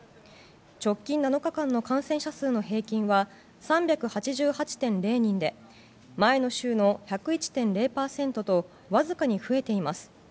直近７日間の感染者数の平均は３８８．０人で前の週の１０１．０％とわずかに増えています。